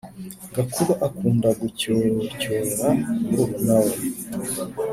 gakuba akunda gucyocyora murumuna we